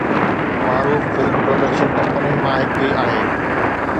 معروف film production ڪمپنين مان هڪ آهي